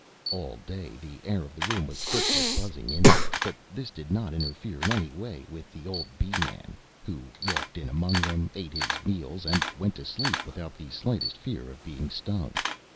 All day the air of the room was thick with buzzing insects, but this did not interfere in any way with the old Bee man, who walked in among them, ate his meals, and went to sleep, without the slightest fear of being stung.